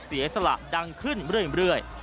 เสียสละดังขึ้นเรื่อย